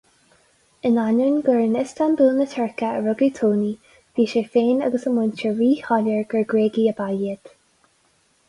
In ainneoin gur in Iostanbúl na Tuirce a rugadh Tony, bhí sé féin agus a muintir rí-shoiléir gur Gréagaigh ab ea iad.